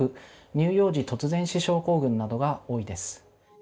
乳幼児突然死症候群などが多いです。